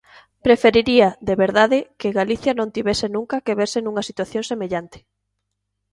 Preferiría, de verdade, que Galicia non tivese nunca que verse nunha situación semellante.